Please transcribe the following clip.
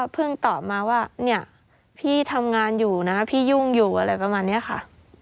ตอบมาว่าเนี่ยพี่ทำงานอยู่นะพี่ยุ่งอยู่อะไรประมาณนี้ค่ะ